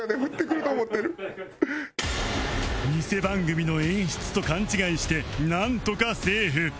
ニセ番組の演出と勘違いしてなんとかセーフ